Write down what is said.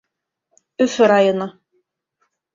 Өфө районы.